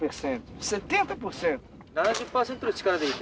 ７０％の力でいい。